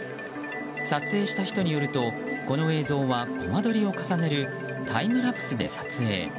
撮影した人によると、この映像はコマ撮りを重ねるタイムラプスで撮影。